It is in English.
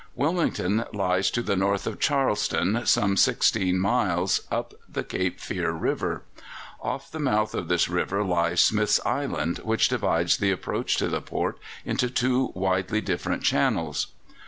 Wilmington lies to the north of Charleston, some sixteen miles up the Cape Fear River. Off the mouth of this river lies Smith's Island, which divides the approach to the port into two widely different channels.